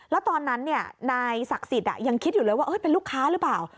แล้วตอนนั้นนายศักดิ์สิทธิ์ยังคิดอยู่เลยว่าเป็นลูกค้าหรือเปล่า